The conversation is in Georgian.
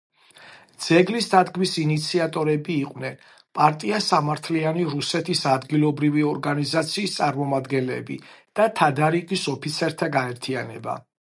ძეგლის დადგმის ინიციატორები იყვნენ პარტია სამართლიანი რუსეთის ადგილობრივი ორგანიზაციის წარმომადგენლები და თადარიგის ოფიცერთა გაერთიანება.